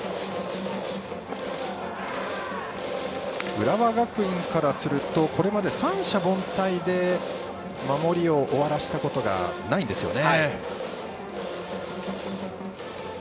浦和学院からするとこれまで三者凡退で守りを終わらせたことがないんですよね。